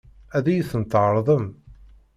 Ad iyi-tent-tɛeṛḍem?